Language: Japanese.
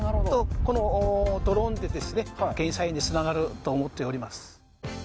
このドローンで減災につながると思っております。